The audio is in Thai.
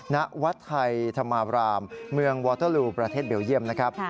ณวัดไทยธรรมาบรามเมืองวอเตอร์ลูประเทศเบลเยี่ยมนะครับ